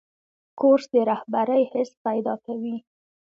کورس د رهبرۍ حس پیدا کوي.